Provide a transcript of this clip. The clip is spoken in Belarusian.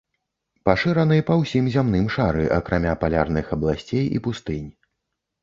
Пашыраны па ўсім зямным шары акрамя палярных абласцей і пустынь.